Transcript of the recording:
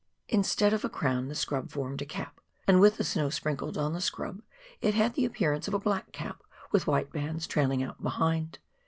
Instead of a crown the scrub formed a cap, and with snow sprinkled on the scrub it had the appearance of a black cap with white bands trailing out behind.